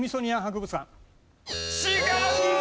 違う！